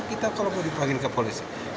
kita kalau mau dipanggil ke polisi